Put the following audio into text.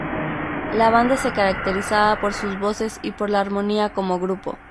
La banda se caracterizaba por sus voces y por la armonía como grupo.